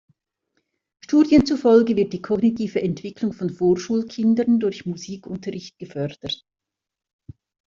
Studien zufolge wird die kognitive Entwicklung von Vorschulkindern wird durch Musikunterricht gefördert.